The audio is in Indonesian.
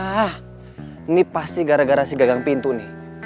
hah ini pasti gara gara gagang pintu nih